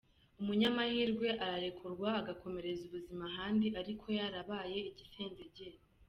Umunyamahirwe ararekurwa, agakomereza ubuzima ahandi ariko yarabaye igisenzegeri.